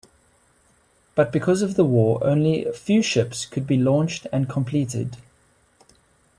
But because of the war only few ships could be launched and completed.